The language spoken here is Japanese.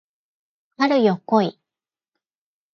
春よ来い